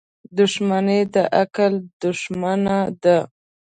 • دښمني د عقل دښمنه ده.